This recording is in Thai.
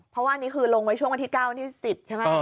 เพราะว่าอันนี้คือลงไว้ช่วงวันที่๙วันที่๑๐ใช่ไหม